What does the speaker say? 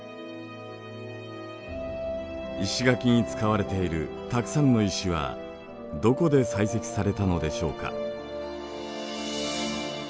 石垣に使われているたくさんの石はどこで採石されたのでしょうか。